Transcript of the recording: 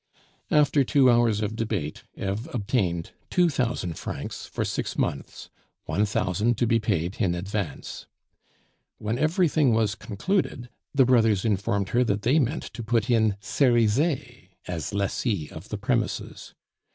After two hours of debate, Eve obtained two thousand francs for six months, one thousand to be paid in advance. When everything was concluded, the brothers informed her that they meant to put in Cerizet as lessee of the premises.